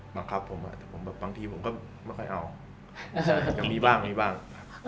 บังคับผมอะแต่บางทีผมก็ไม่ค่อยเอายังมีบ้าง